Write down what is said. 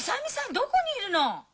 どこにいるの！